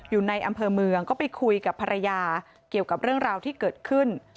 อยู่ในอำเภอเมืองก็ไปคุยกับภรรยาเกี่ยวกับเรื่องราวที่เกิดขึ้น